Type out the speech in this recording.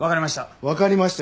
わかりました。